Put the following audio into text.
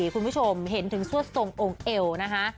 คุณผู้ชมเห็นถึงซวดทรงองค์เอวนะคะ